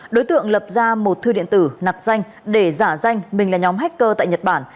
đối tượng lập ra một thư điện tử nạc danh để giả danh mình là nhóm hacker tại nhật bản